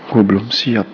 gue belum siap